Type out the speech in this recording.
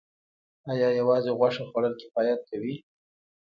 ایا یوازې غوښه خوړل کفایت کوي